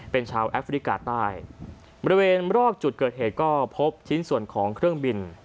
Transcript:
เป็นชาวแอฟริกาใต้บริเวณรอบจุดเกิดเหตุก็พบชิ้นส่วนของเครื่องบิน